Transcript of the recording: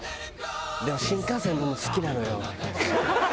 でも新幹線乗るの好きなのよ。